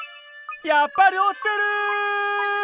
やっぱり落ちてる！